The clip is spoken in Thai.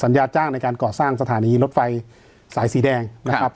ญาจ้างในการก่อสร้างสถานีรถไฟสายสีแดงนะครับ